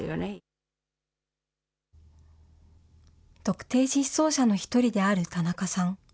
特定失踪者の１人である田中さん。